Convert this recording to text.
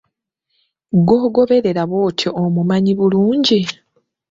Gw'oboggolera bwotyo omumanyi bulungi.